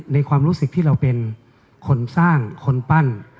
ความรู้สึกที่เราเป็นคนสร้างคนปั้น